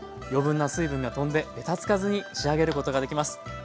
余分な水分が飛んでベタつかずに仕上げることができます。